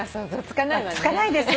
つかないです。